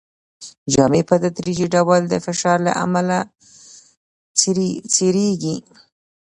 جامې په تدریجي ډول د فشار له امله څیریږي.